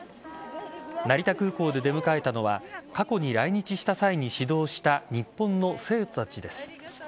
成田空港で出迎えたのは過去に来日した際に指導した日本の生徒たちです。